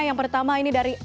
yang pertama ini dari